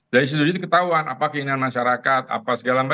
dari situ ketahuan apa keinginan masyarakat apa segala macam